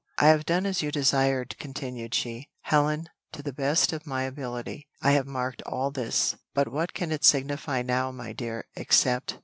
"I have done as you desired," continued she, "Helen, to the best of my ability. I have marked all this, but what can it signify now my dear, except